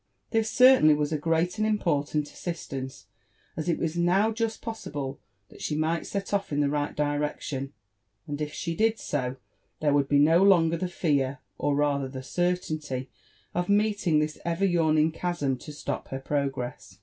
This certainly was a great and im portant assistance, as it was now just possible that she might set off* in tiie right direction : and if she did so, there would be no longer the fear, or rather, the certainty of meeting this ever yawning chasm to atop her progress.